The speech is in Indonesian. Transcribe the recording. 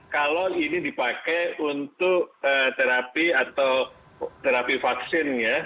kalau ini dipakai untuk terapi atau terapi vaksinnya